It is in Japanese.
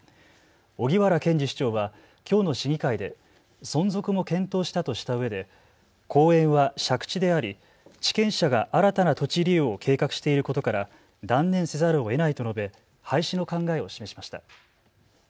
荻原健司市長はきょうの市議会で存続も検討したとしたうえで公園は借地であり地権者が新たな土地利用を計画していることから断念せざるをえないと述べ廃止の考えを示しました。